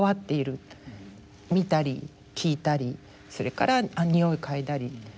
見たり聞いたりそれからにおい嗅いだり。